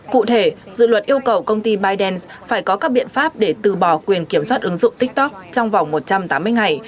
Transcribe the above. cụ thể dự luật yêu cầu công ty biden phải có các biện pháp để từ bỏ quyền kiểm soát ứng dụng tiktok trong vòng một trăm tám mươi ngày